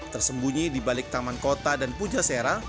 tersembunyi di balik taman kota dan puja sera